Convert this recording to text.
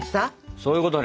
そういうことね！